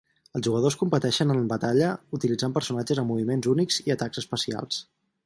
Els jugadors competeixen en batalla utilitzant personatges amb moviments únics i atacs especials.